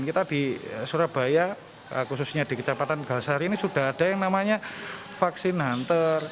kita di surabaya khususnya di kecamatan galasari ini sudah ada yang namanya vaksin hunter